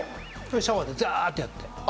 シャワーでジャーッてやって。